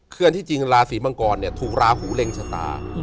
คือที่จริงราศีมังกรเนี่ยถูกราหูเล็งชะตา